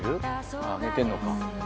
あぁ寝てんのか。